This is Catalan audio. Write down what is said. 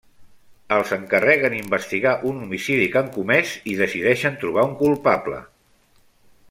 Els encarreguen investigar un homicidi que han comès i decideixen trobar un culpable.